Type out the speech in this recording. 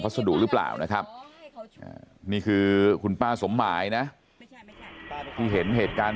สะดุหรือเปล่านะครับนี่คือคุณป้าสมหมายนะที่เห็นเหตุการณ์